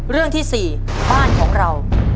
เรื่องที่๔บ้านของเรา